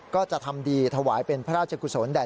ก็จะทำดีถวายเป็นพระราชกุศลแด่